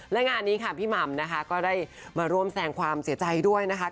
และงานนี้ค่ะพี่หม่ำนะคะก็ได้มาร่วมแสงความเสียใจด้วยนะคะ